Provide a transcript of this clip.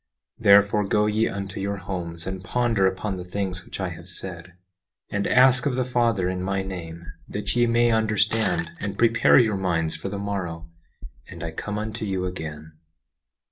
17:3 Therefore, go ye unto your homes, and ponder upon the things which I have said, and ask of the Father, in my name, that ye may understand, and prepare your minds for the morrow, and I come unto you again.